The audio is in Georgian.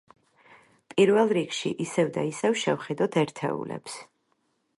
პირველ რიგში, ისევ და ისევ შევხედოთ ერთეულებს.